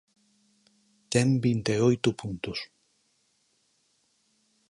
Ten vinte e oito puntos.